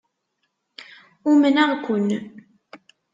Umneɣ-ken.